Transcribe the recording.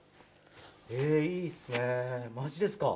えいいっすね。